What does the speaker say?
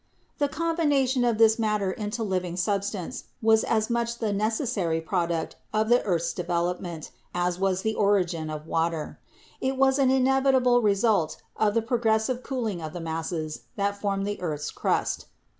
The combination of this matter into living substance was as much the necessary product of the earth's develop ment as was the origin of water. It was an inevitable result of the progressive cooling of the masses that formed the earth's crust.